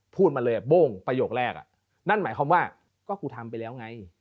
พูดมาเลยโบ้งประโยคแรกนั่นหมายความว่าก็กูทำไปแล้วไง